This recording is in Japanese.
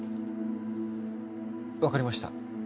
わかりました。